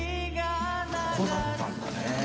ここだったんだね。